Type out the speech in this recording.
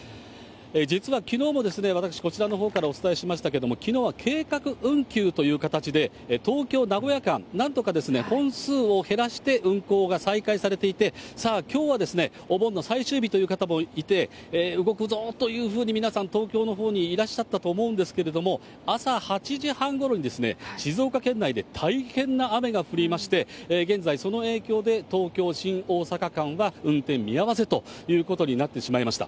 実はきのうも、私、こちらのほうからお伝えしましたけれども、きのうは計画運休という形で、東京・名古屋間、なんとか本数を減らして、運行が再開されていて、さあ、きょうはですね、お盆の最終日という方もいて、動くぞというふうに皆さん、東京のほうにいらっしゃったと思うんですけれども、朝８時半ごろに、静岡県内で大変な雨が降りまして、現在、その影響で東京・新大阪間は運転見合わせということになってしまいました。